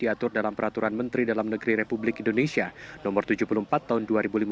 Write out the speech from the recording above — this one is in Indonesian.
diatur dalam peraturan menteri dalam negeri republik indonesia no tujuh puluh empat tahun dua ribu lima belas